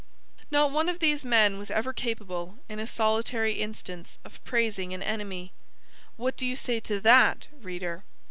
Not one of these men was ever capable, in a solitary instance, of praising an enemy [what do you say to that, reader?